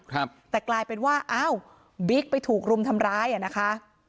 ครับแต่กลายเป็นว่าอ้าวบิ๊กไปถูกรุมทำร้ายอ่ะนะคะ